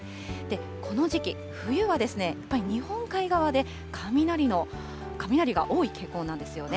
この時期、冬はやっぱり日本海側で雷が多い傾向なんですよね。